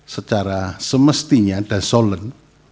secara semestinya ada solen